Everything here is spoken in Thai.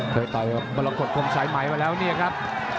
ต่อยมรกฏคมสายไหมมาแล้วเนี่ยครับ